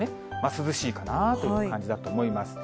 涼しいかなという感じだと思います。